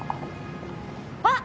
あっ！